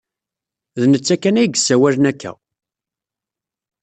D netta kan ay yessawalen akka.